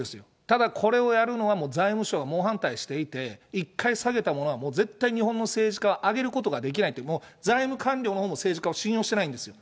ただ、これをやるのは財務省が猛反対していて、一回下げたものは絶対日本の政治家は上げることができないって、もう財務官僚のほうも政治家を信用してないんですよ。